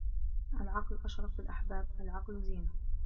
العقل أشرف الأحباب العقل زينة